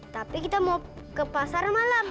tapi kita mau ke pasar malam